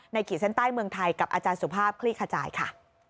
ขีดเส้นใต้เมืองไทยกับอาจารย์สุภาพคลี่ขจายค่ะ